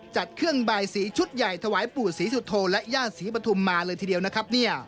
จัดเครื่องบ่ายสีชุดใหญ่ถวายปู่สีสุโธและหญ้าสีปธุมมาเลยทีเดียวนะครับ